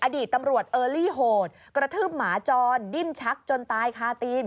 อดีตตำรวจเออลี่โหดกระทืบหมาจรดิ้นชักจนตายคาตีน